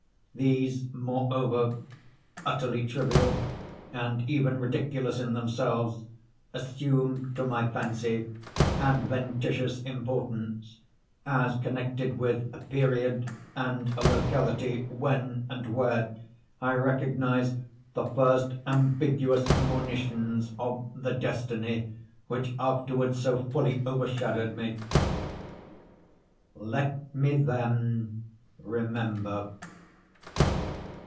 These, moreover, utterly trivial, and even ridiculous in themselves, assume, to my fancy, adventitious importance, as connected with a period and a locality when and where I recognise the first ambiguous monitions of the destiny which afterwards so fully overshadowed me. Let me then remember.